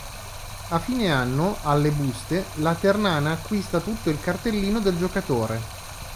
A fine anno, alle buste, la Ternana acquista tutto il cartellino del giocatore.